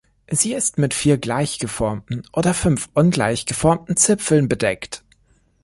Sie ist mit vier gleich geformten oder fünf ungleich geformten Zipfeln bedeckt.